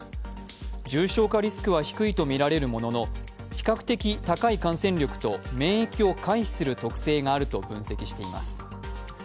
重症化リスクは低いとみられるものの比較的高い感染力と免疫を回避する特性があると分析しています。